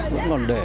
vẫn còn để